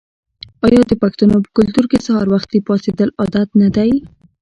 آیا د پښتنو په کلتور کې سهار وختي پاڅیدل عادت نه دی؟